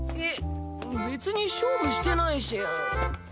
えっ別に勝負してないし。